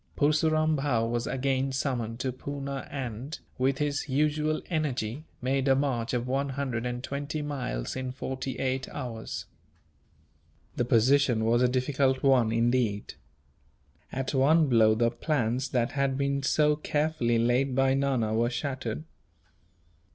Purseram Bhow was again summoned to Poona and, with his usual energy, made a march of one hundred and twenty miles in forty eight hours. The position was a difficult one, indeed. At one blow, the plans that had been so carefully laid by Nana were shattered.